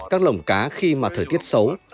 các lồng cá khi mà thời tiết xấu